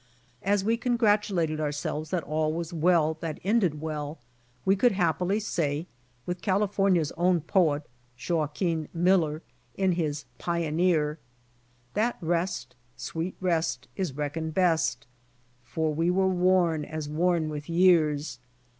As we congratu lated ourselves that all was well that ended well, we could happily say with California's own poet, Joaquin Miller, in his "Pioneer" "That rest, sweet rest is reckoned best, For we were worn as worn with years.